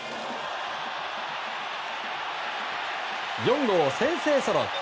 ４号先制ソロ。